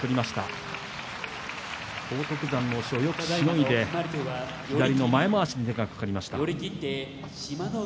押しをよくしのいで左の前まわしに手が掛かりました。